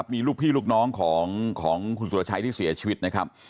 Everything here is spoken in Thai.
มีลูกพี่ลูกน้องของคุณสุรชัยที่เสียชีวิตนะครับ